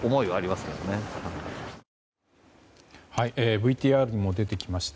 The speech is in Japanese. ＶＴＲにも出てきました